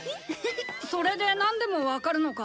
それでなんでもわかるのか？